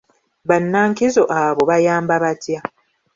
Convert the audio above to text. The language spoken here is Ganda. Bannankizo abo bayamba batya?